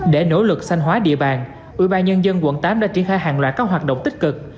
để nỗ lực sanh hóa địa bàn ủy ban nhân dân quận tám đã triển khai hàng loại các hoạt động tích cực